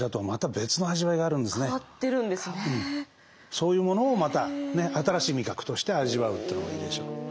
そういうものをまた新しい味覚として味わうというのもいいでしょう。